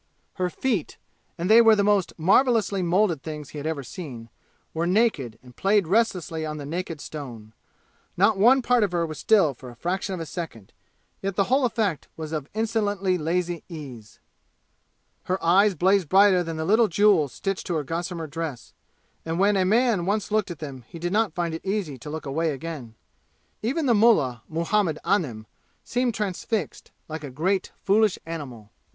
Her feet and they were the most marvelously molded things he had ever seen were naked and played restlessly on the naked stone. Not one part of her was still for a fraction of a second; yet the whole effect was of insolently lazy ease. Her eyes blazed brighter than the little jewels stitched to her gossamer dress, and when a man once looked at them he did not find it easy to look away again. Even mullah Muhammad Anim seemed transfixed, like a great foolish animal.